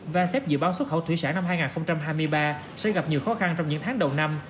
và xếp dự báo xuất khẩu thủy sản năm hai nghìn hai mươi ba sẽ gặp nhiều khó khăn trong những tháng đầu năm